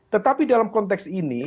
tetapi dalam konteks ini